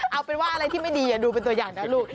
เอาเป็นว่าอะไรที่ไม่ดีดูเป็นตัวอย่างนะลูก